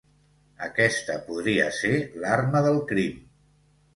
Aquesta podria ser l'arma del crim.